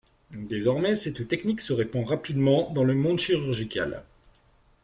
Désormais cette technique se répand rapidement dans le monde chirurgical.